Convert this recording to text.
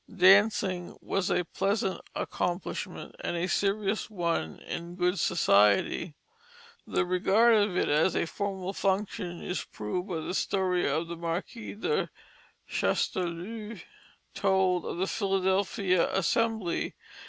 Dancing was a pleasant accomplishment, and a serious one in good society. The regard of it as a formal function is proved by the story the Marquis de Chastellux told of the Philadelphia Assembly.